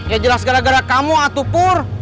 ya jelas gara gara kamu atuh pur